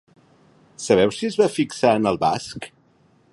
Sabeu si es va fixar en el basc?